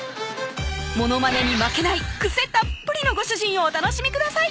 モノマネに負けない癖たっぷりのご主人をお楽しみください